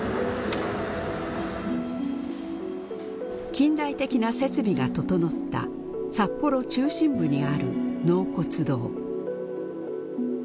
近代的な設備が整った札幌中心部にある納骨堂。